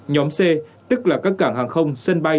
nhóm c tức là các cảng hàng không sân bay